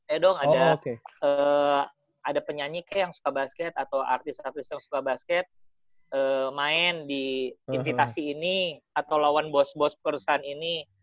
eh dong ada penyanyi kayak yang suka basket atau artis artis yang suka basket main di invitasi ini atau lawan bos bos perusahaan ini